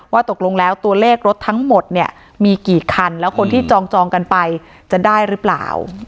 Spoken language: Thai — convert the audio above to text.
ตกลงแล้วตัวเลขรถทั้งหมดเนี่ยมีกี่คันแล้วคนที่จองกันไปจะได้หรือเปล่า